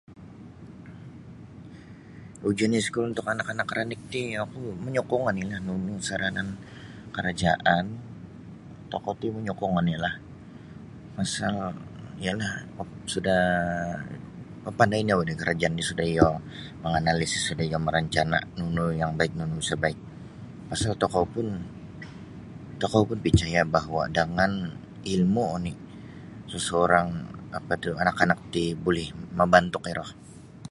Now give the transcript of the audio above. Ujian iskul untuk anak-anak ranik ti oku manyokong oni nunu saranan karajaan tokou ti manyokong oni lah pasal ya lah suda mapandai nini oku karajaan ti suda iyo manganalisis marancana nunu yang baik nunu isa baik pasal tokou pun tokou pun picaya bahwa dangam ilmu ni seseorang apa tu anak-anak ti buli mambantuk iro.